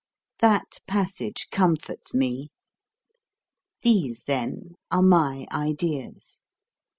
That passage comforts me. These, then, are my ideas.